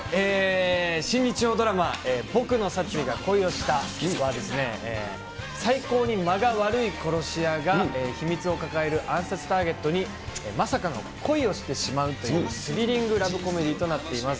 新日曜ドラマ、ボクの殺意が恋をしたはですね、最高に間が悪い殺し屋が秘密を抱える暗殺ターゲットに、まさかの恋をしてしまうという、スリリングラブコメディーとなっています。